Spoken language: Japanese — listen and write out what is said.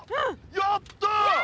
やった！